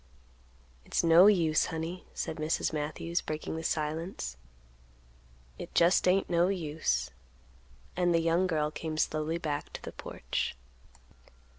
"It's no use, honey," said Mrs. Matthews, breaking the silence; "it just ain't no use;" and the young girl came slowly back to the porch.